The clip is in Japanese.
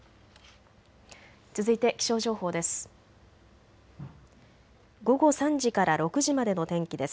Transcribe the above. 続いて気象情報です。